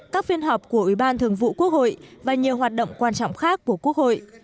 các phiên họp của ủy ban thường vụ quốc hội và nhiều hoạt động quan trọng khác của quốc hội